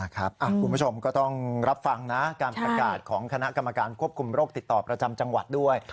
คุณผู้ชมก็ต้องรับฟังนะการประกาศของคณะกรรมการควบคุมโรคติดต่อประจำจังหวัดด้วย